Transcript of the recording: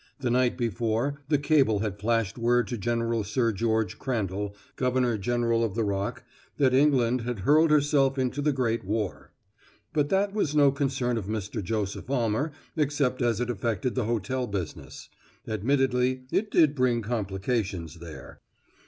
The night before the cable had flashed word to General Sir George Crandall, Governor general of the Rock, that England had hurled herself into the great war. But that was no concern of Mr. Joseph Almer except as it affected the hotel business; admittedly it did bring complications there.